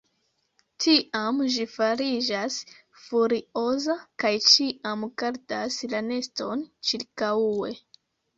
Tiam ĝi fariĝas furioza kaj ĉiam gardas la neston ĉirkaŭe.